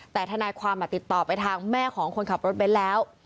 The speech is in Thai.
แต่ทนายความติดต่อไปทางแม่ของคนขับรถเบ้นแล้ว